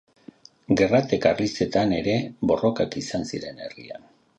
Gerrate Karlistetan ere borrokak izan ziren herrian.